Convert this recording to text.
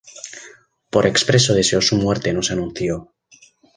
Por expreso deseo su muerte no se anunció.